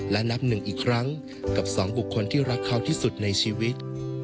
และนับหนึ่งอีกครั้งกับสองบุคคลที่รักเขาที่สุดในชีวิต